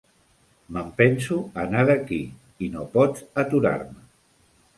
Me'n penso anar d'aquí i no pots aturar-me!